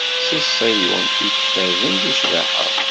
Si Ṣiyun i ifazen di ccbaḥa.